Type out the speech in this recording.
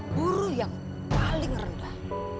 buruh yang paling rendah